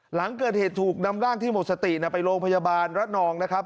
หลังเกิดเหตุถูกนำร่างที่หมดสติไปโรงพยาบาลระนองนะครับ